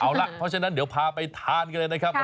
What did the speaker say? เอาล่ะเพราะฉะนั้นเดี๋ยวพาไปทานกันเลยนะครับ